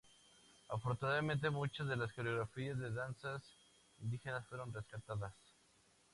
Afortunadamente, muchas de sus coreografías de danzas indígenas fueron rescatadas.